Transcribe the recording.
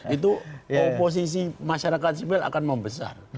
itu posisi masyarakat sipil akan membesar